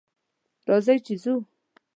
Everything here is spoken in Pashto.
راځئ چې ځو!